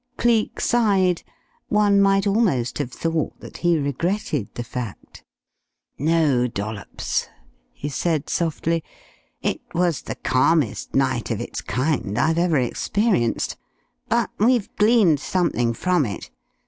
Cleek sighed. One might almost have thought that he regretted the fact. "No, Dollops," he said, softly, "it was the calmest night of its kind I've ever experienced. But we've gleaned something from it.